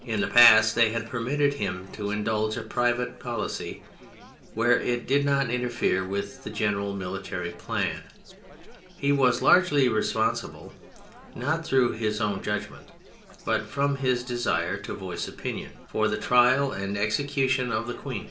In the past they had permitted him to indulge a private policy where it did not interfere with the general military plan. He was largely responsible, not through his own judgment but from his desire to voice opinion, for the trial and execution of the Queen.